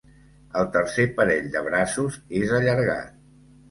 El tercer parell de braços és allargat.